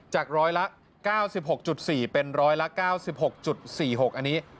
ร้อยละ๙๖๔เป็นร้อยละ๙๖๔๖อันนี้